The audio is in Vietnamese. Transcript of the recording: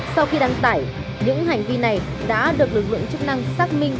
sau khi đăng tải những hành vi này đã được lực lượng chức năng xác minh